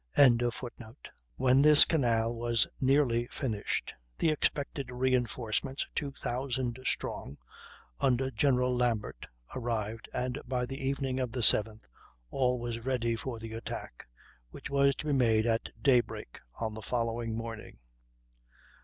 ] When this canal was nearly finished the expected reinforcements, two thousand strong, under General Lambert, arrived, and by the evening of the 7th all was ready for the attack, which was to be made at daybreak on the following morning.